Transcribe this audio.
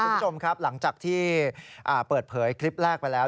คุณผู้ชมครับหลังจากที่เปิดเผยคลิปแรกไปแล้ว